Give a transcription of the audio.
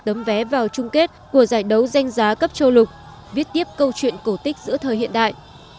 tấm vé vào chung kết của giải đấu danh giá cấp châu lục viết tiếp câu chuyện cổ tích giữa thời hiện đại